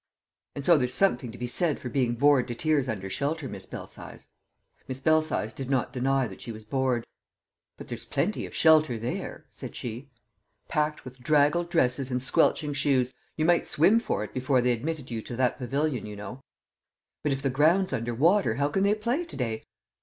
"And so there's something to be said for being bored to tears under shelter, Miss Belsize." Miss Belsize did not deny that she was bored. "But there's plenty of shelter there," said she. "Packed with draggled dresses and squelching shoes! You might swim for it before they admitted you to that Pavilion, you know." "But if the ground's under water, how can they play to day?"